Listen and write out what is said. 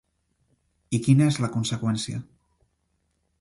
I quina és la conseqüència?